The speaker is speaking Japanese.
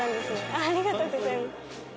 ありがとうございます。